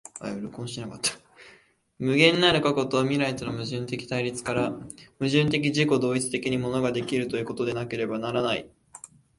無限なる過去と未来との矛盾的対立から、矛盾的自己同一的に物が出来るということでなければならない。